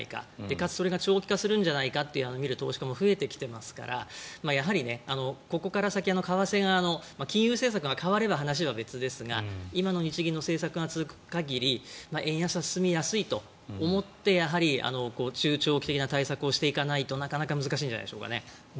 かつ、それが長期化するんじゃないかと見る投資家も増えているのでやはりここから先、為替が金融政策が変われば話は別ですが今の日銀の政策が続く限り円安は進みやすいと思って中長期的な対策をしていかないと難しいんじゃないでしょうかね。